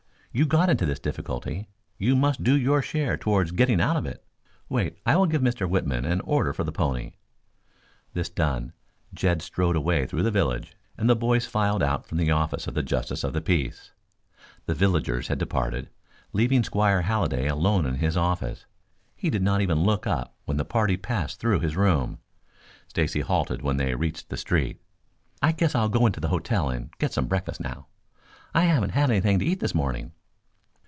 You got into this difficulty. You must do your share towards getting out of it. Wait, I will give Mr. Whitman an order for the pony." This done, Jed strode away through the village, and the boys filed out from the office of the justice of the peace. The villagers had departed, leaving Squire Halliday alone in his office. He did not even look up when the party passed through his room. Stacy halted when they reached the street. "I guess I'll go into the hotel and get some breakfast now. I haven't had anything to eat this morning."